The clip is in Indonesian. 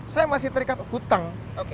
saya masih terikat hutang